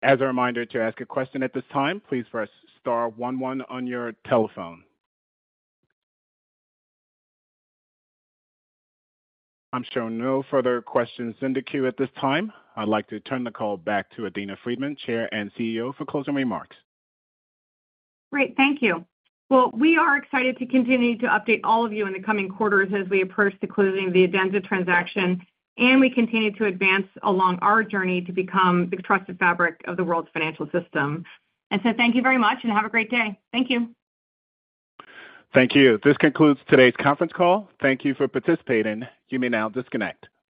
As a reminder, to ask a question at this time, please press star one one on your telephone. I'm showing no further questions in the queue at this time. I'd like to turn the call back to Adena Friedman, Chair and CEO, for closing remarks. Great, thank you. Well, we are excited to continue to update all of you in the coming quarters as we approach the closing of the Adenza transaction, and we continue to advance along our journey to become the trusted fabric of the world's financial system. And so thank you very much, and have a great day. Thank you. Thank you. This concludes today's conference call. Thank you for participating. You may now disconnect.